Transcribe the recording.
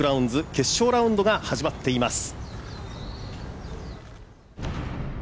決勝ラウンドが始まっています。